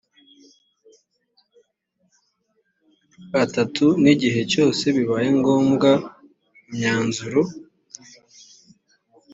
atatu n igihe cyose bibaye ngombwa imyanzuro